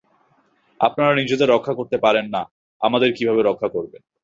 আপনারা নিজেদের রক্ষা করতে পারেন না, আমাদের কিভাবে রক্ষা করবেন?